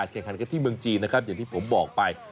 แข่งขันกันที่เมืองจีนนะครับอย่างที่ผมบอกไป